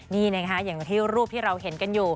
นี่นะคะอย่างที่รูปที่เราเห็นกันอยู่